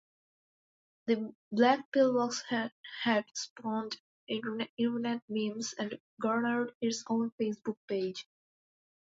The black pillbox hat spawned internet memes and garnered its own Facebook page.